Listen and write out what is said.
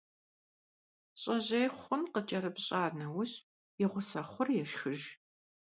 ЩIэжьей хъун къыкIэрыпщIа нэужь, и гъуса хъур ешхыж.